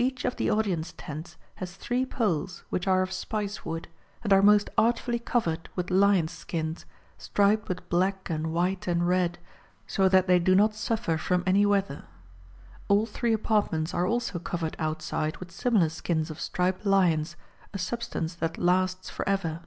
Each of the audience tents has three poles, which are of spice wood, and are most artfully covered with lions' skins, striped with black and white and red, so that they do not suffer from any weather. All three apartments are also covered outside with similar skins of striped lions, a substance that lasts for ever.